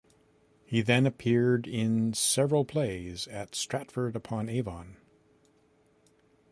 He then appeared in several plays at Stratford-upon-Avon.